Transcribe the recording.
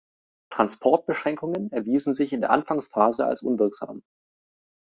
Transportbeschränkungen erwiesen sich in der Anfangsphase als unwirksam.